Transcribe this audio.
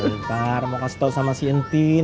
ntar mau kasih tau sama si entin